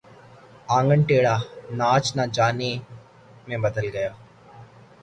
انگن ٹیڑھا ناچ نہ جانے میں بدل گیا